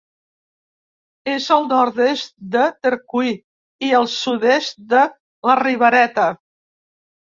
És al nord-est de Tercui i al sud-est de la Ribereta.